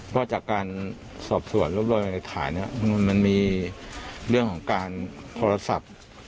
เพราะจากการสอบสวนรวบรวมหลักฐานมันมีเรื่องของการโทรศัพท์